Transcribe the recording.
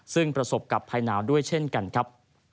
ซึ่งประสบกับภัยหนาวด้วยเช่นกันครับ